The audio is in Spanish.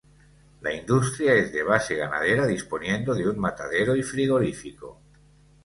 La industria es de base ganadera disponiendo de un matadero y frigorífico.